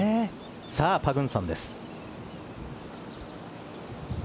さあ、パグンサンです。